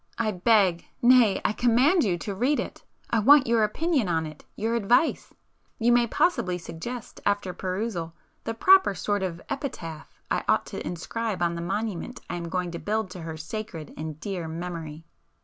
I beg—nay I command you to read it!—I want your opinion on it,—your advice; you may possibly suggest, after perusal, the proper sort of epitaph I ought to inscribe on the monument I am going to build to her sacred and dear memory!"